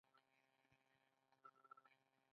ایا زه باید پولیسو ته خبر ورکړم؟